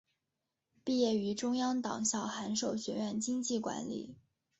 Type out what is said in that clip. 毕业于中央党校函授学院经济管理。